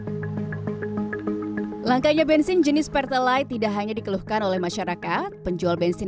hai langkahnya bensin jenis perthelite tidak hanya dikeluhkan oleh masyarakat penjual bensin